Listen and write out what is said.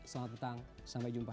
selamat petang sampai jumpa